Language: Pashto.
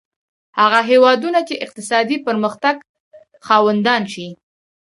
هغه هېوادونه چې اقتصادي پرمختګ خاوندان شي.